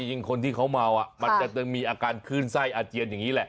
จริงคนที่เขาเมามันจะมีอาการขึ้นไส้อาเจียนอย่างนี้แหละ